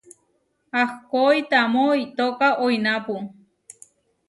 Ahkói tamó itóka oinápu.